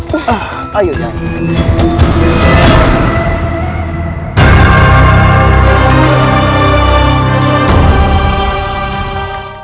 kita harus meninggalkan goa ini